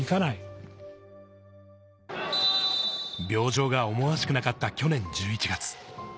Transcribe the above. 病状が思わしくなかった去年１１月。